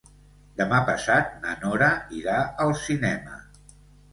Demà passat na Nora irà al cinema.